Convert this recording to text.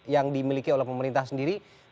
yang dimiliki oleh pemerintah sendiri